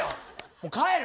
もう帰る！